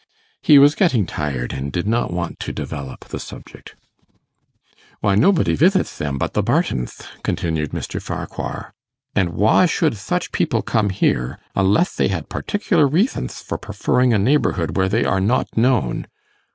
He was getting tired, and did not want to develop the subject. 'Why, nobody vithit th them but the Bartonth,' continued Mr. Farquhar, 'and why should thuch people come here, unleth they had particular reathonth for preferring a neighbourhood where they are not known?